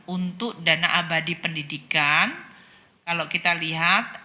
untuk dana abadi pendidikan kalau kita lihat